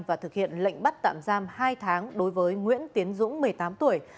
và thực hiện lệnh bắt tạm giam hai tháng đối với nguyễn tiến dũng một mươi tám tuổi